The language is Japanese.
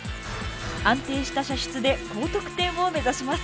安定した射出で高得点を目指します。